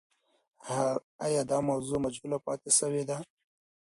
آیا دا موضوع مجهوله پاتې سوې ده؟